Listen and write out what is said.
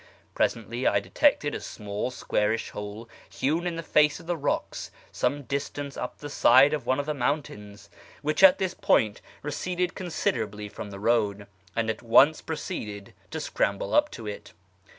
Presently I detected a small squarish hole hewn in the face of the rocks some distance up the side of one of the mountains (which at this point receded considerably from the road), and at once pro ceeded to scramble up to it.